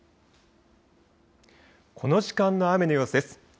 この時間の雨の様子です。